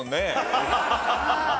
ハハハハ！